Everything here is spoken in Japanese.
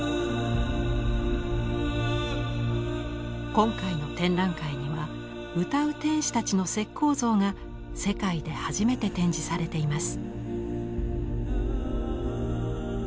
今回の展覧会には「歌う天使たち」の石こう像が世界で初めて展示されています。